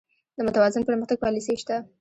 د متوازن پرمختګ پالیسي شته؟